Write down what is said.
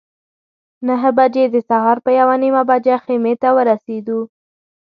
نهه بجې د سهار په یوه نیمه بجه خیمې ته ورسېدو.